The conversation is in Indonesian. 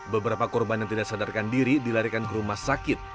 beberapa korban yang tidak sadarkan diri dilarikan ke rumah sakit